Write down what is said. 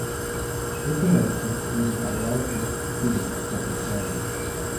This announcement created a lot of mixed feelings from his fans.